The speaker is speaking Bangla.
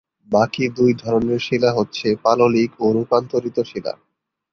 বাকি দুই ধরণের শিলা হচ্ছে পাললিক ও রূপান্তরিত শিলা।